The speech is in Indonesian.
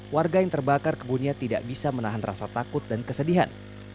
warga yang terbakar kebunnya tidak bisa menahan rasa takut dan kesedihan